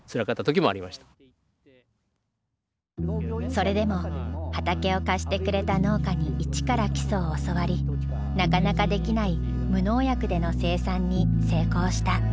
それでも畑を貸してくれた農家に一から基礎を教わりなかなかできない無農薬での生産に成功した。